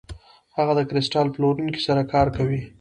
هغه د کریستال پلورونکي سره کار کوي.